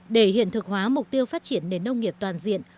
để hiện thực hóa mục tiêu phát triển nền nông nghiệp toàn diện